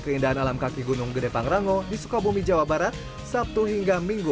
keindahan alam kaki gunung gede pangrango di sukabumi jawa barat sabtu hingga minggu